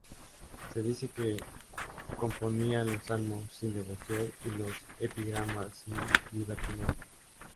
Se dice que componía los salmos sin devoción y los epigramas sin libertinaje.